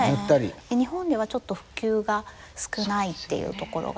日本ではちょっと普及が少ないっていうところがあって。